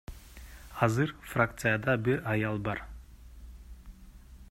Азыр фракцияда бир аял бар.